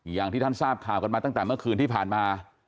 อย่างที่ท่านทราบข่าวกันมาตั้งแต่เมื่อคืนที่ผ่านมา